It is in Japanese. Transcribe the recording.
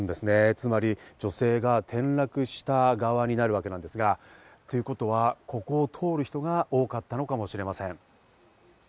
つまり女性が転落した側になるんですが、ということは、ここを通る人が多かったのかもしれません。